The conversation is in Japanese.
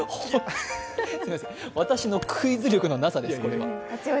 私のクイズ力のなさです、これは。